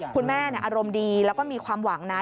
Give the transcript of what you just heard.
คุณแม่อารมณ์ดีแล้วก็มีความหวังนะ